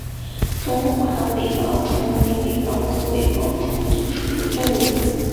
中华尾孢虫为尾孢科尾孢虫属的动物。